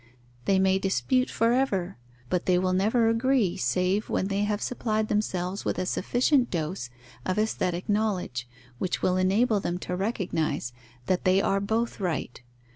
They may dispute for ever; but they will never agree, save when they have supplied themselves with a sufficient dose of aesthetic knowledge, which will enable them to recognize that they are both right.